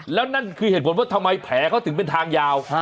แล้วนั่นคือเหตุผลว่าทำไมแผลเขาถึงเป็นทางยาว